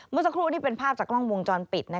เมื่อสักครู่นี่เป็นภาพจากกล้องวงจรปิด